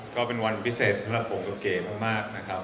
ก็เป็นวันพิเศษสำหรับผมกับเก๋มากนะครับ